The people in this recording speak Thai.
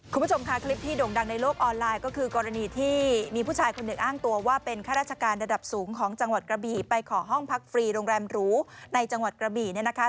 คุณผู้ชมค่ะคลิปที่โด่งดังในโลกออนไลน์ก็คือกรณีที่มีผู้ชายคนหนึ่งอ้างตัวว่าเป็นข้าราชการระดับสูงของจังหวัดกระบี่ไปขอห้องพักฟรีโรงแรมหรูในจังหวัดกระบี่เนี่ยนะคะ